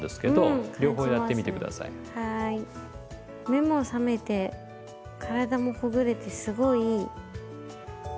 目も覚めて体もほぐれてすごいいい。